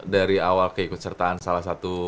dari awal keikutsertaan salah satu